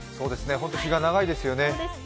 日が長いですよね。